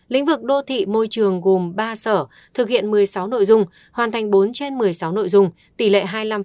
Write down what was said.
lĩnh vực đô thị môi trường gồm ba sở thực hiện một mươi sáu nội dung hoàn thành bốn trên một mươi sáu nội dung tỷ lệ hai mươi năm